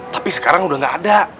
tapi sekarang udah gak ada